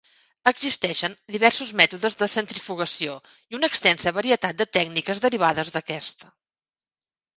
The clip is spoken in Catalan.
Existeixen diversos mètodes de centrifugació i una extensa varietat de tècniques derivades d'aquesta.